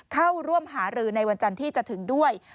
เข้าร่วมหารือในวันจันทร์ที่จะถึงด้วย